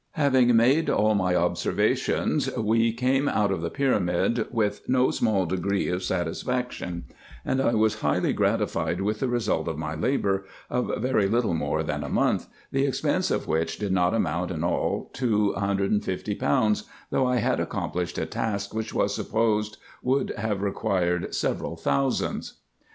Having made all my observations, we came out of the pyramid with no small degree of satisfaction ; and I was highly gratified with the result of my labour, of very little more than a month, the expense of which did not amount in all to =£150, though I had accomplished a task, which was supposed would have required several thousands.